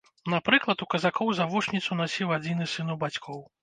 Напрыклад, у казакоў завушніцу насіў адзіны сын у бацькоў.